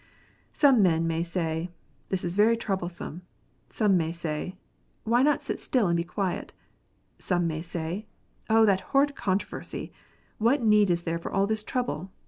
Some men may say, " This is very troublesome." Some may say, " Why not sit still and be quiet 1 " Some may say, "Oh, that horrid controversy! What need is there for all this trouble?